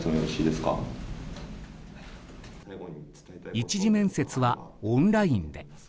１次面接はオンラインで。